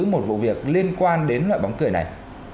một vụ việc liên quan đến loại bóng cười này